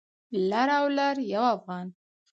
لر او لر یو افغان